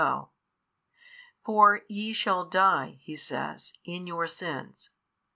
For ye shall die (He says) in your sins.